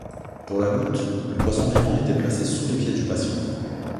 Pour la goutte, le poisson vivant était placé sous les pieds du patient.